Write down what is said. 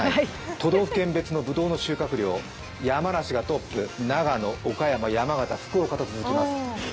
都道府県別のぶどうの収穫量、山梨がトップ、長野、岡山、山形と続きます。